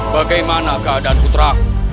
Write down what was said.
bagaimana keadaan kutra